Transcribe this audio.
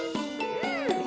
うん！